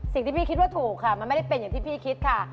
สิ่งที่พี่คิดว่าถูกค่ะมันไม่ได้เป็นอย่างที่พี่คิดค่ะ